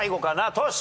トシ。